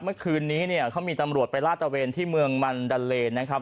เมื่อคืนนี้เนี่ยเขามีตำรวจไปลาดตะเวนที่เมืองมันดาเลนะครับ